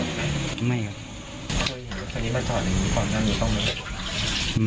ที่ที่มาแลนดธรรม